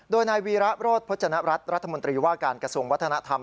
โดยนายวีระโรธพจนรัฐรัฐมนตรีว่าการกระทรวงวัฒนธรรม